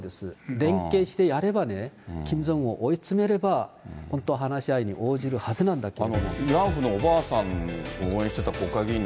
連携してやればね、キム・ジョンウンを追い詰めれば、本当は話し合いに応じるはずなんだけど。